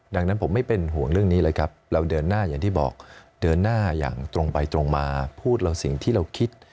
ดังนั้นผมไม่เป็นห่วงเรื่องนี้เลยครับเราเดินหน้าอย่างที่บอกเดินหน้าอย่างตรงไปตรงมาพูดเราสิ่งที่เราคิด